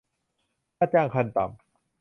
ค่าจ้างขั้นต่ำ